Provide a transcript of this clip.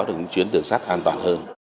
những chuyến đường sắt an toàn hơn